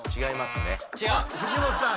藤本さん